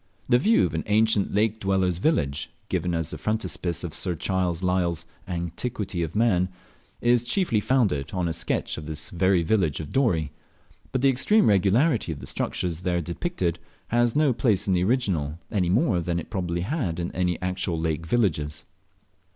The view of an ancient lake dweller's village, given as the frontispiece of Sir Charles Lyell's "Antiquity of Man," is chiefly founded on a sketch of this very village of Dorey; but the extreme regularity of the structures there depicted has no place in the original, any more than it probably had in the actual lake villages.